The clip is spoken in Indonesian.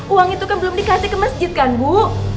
uang itu kan belum dikasih ke masjid kan bu